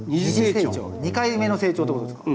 ２回目の成長ってことですか？